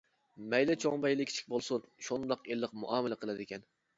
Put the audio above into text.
مەيلى چوڭ مەيلى كىچىك بولسۇن شۇنداق ئىللىق مۇئامىلە قىلىدىكەن.